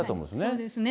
そうですね。